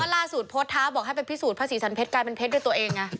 มาสูตรโพสท้าบอกให้เป็นพิสูจน์ภาษีสันเพศกลายเป็นเพศด้วยตัวเอง